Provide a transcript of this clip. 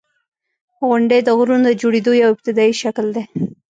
• غونډۍ د غرونو د جوړېدو یو ابتدایي شکل دی.